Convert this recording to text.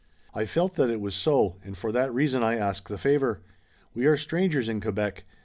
"I felt that it was so, and for that reason I ask the favor. We are strangers in Quebec.